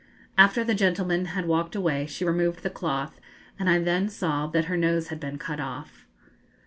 After the gentlemen had walked away she removed the cloth, and I then saw that her nose had been cut off.